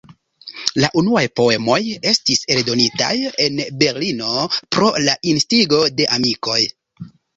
La unuaj poemoj estis eldonitaj en Berlino pro la instigo de amikoj.